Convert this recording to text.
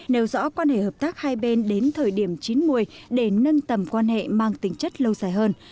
nêu rõ quan hệ hợp tác hai bên đến thời điểm chín mươi để nâng tầm quan hệ mang tính chất lâu dài hơn